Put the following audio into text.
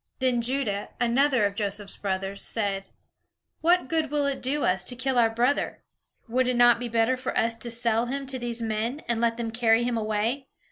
Then Judah, another of Joseph's brothers, said, "What good will it do us to kill our brother? Would it not be better for us to sell him to these men, and let them carry him away?